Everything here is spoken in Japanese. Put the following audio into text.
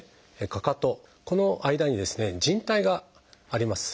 かかとこの間にですねじん帯があります。